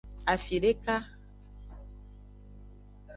Afideka.